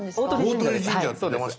大鳥神社って出ました。